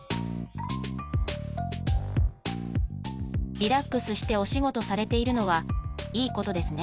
リラックスしてお仕事されているのはいいことですね。